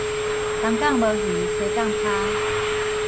東港無魚西港拋